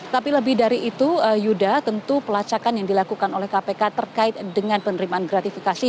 tapi lebih dari itu yuda tentu pelacakan yang dilakukan oleh kpk terkait dengan penerimaan gratifikasi